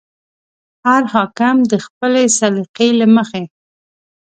هر حاکم د خپلې سلیقې له مخې.